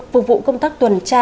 phục vụ công tác tuần tra